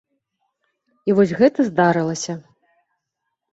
І вось гэта здарылася.